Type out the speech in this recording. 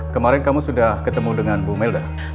kemarin kamu sudah ketemu dengan bu melda